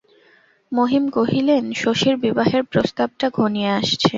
মহিম কহিলেন, শশীর বিবাহের প্রস্তাবটা ঘনিয়ে আসছে।